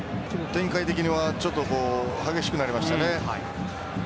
展開的にはちょっと激しくなりましたね。